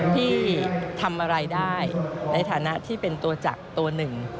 ที่ทำอะไรได้ในฐานะที่เป็นตัวจักรตัวหนึ่ง